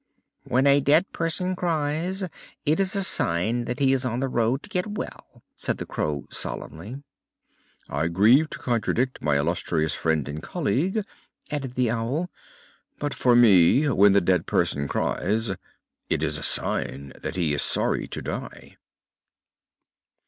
"When a dead person cries, it is a sign that he is on the road to get well," said the Crow solemnly. "I grieve to contradict my illustrious friend and colleague," added the Owl; "but for me, when the dead person cries, it is a sign that he is sorry to die."